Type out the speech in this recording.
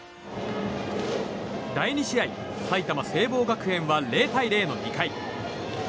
第２試合、埼玉・聖望学園は０対０の２回。